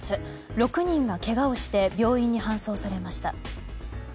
６人がけがをして病院に搬送されました。